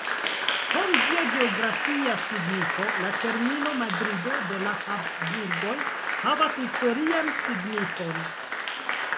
Krom ĝia geografia signifo, la termino "Madrido de la Habsburgoj" havas historian signifon.